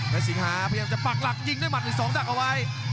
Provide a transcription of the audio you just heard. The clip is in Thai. และสิงหาพยายามจะปักหลักยิงด้วยหมัด๑๒ดักเอาไว้